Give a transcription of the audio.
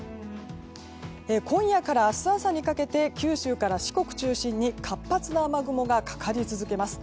今夜から明日朝にかけて九州から四国中心に活発な雨雲がかかり続けます。